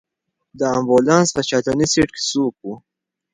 د امبولانس په شاتني سېټ کې څوک و؟